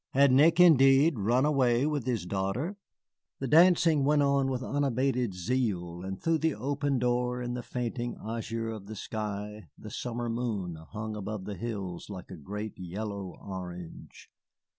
Had Nick indeed run away with his daughter? The dancing went on with unabated zeal, and through the open door in the fainting azure of the sky the summer moon hung above the hills like a great yellow orange.